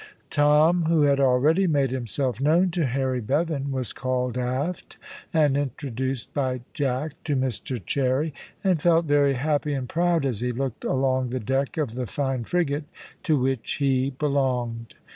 Tom who had already made himself known to Harry Bevan was called aft, and introduced by Jack to Mr Cherry, and felt very happy and proud as he looked along the deck of the fine frigate to which he belonged.